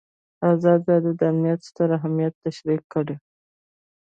ازادي راډیو د امنیت ستر اهميت تشریح کړی.